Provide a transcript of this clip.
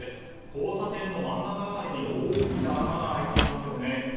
交差点の真ん中辺りに大きな穴が開いていますよね。